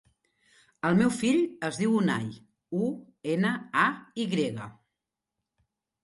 El meu fill es diu Unay: u, ena, a, i grega.